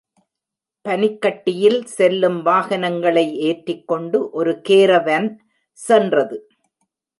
பனிக்கட்டியில் செல்லும் வாகனங்களை ஏற்றிக்கொண்டு ஒரு கேரவன் சென்றது.